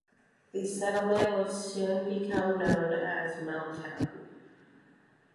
The settlement would soon become known as Milltown.